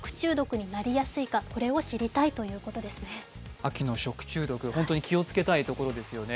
秋の食中毒、本当に気をつけたいところですよね。